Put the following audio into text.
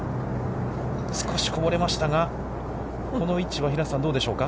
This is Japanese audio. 少しこぼれましたが、この位置は平瀬さん、どうでしょうか。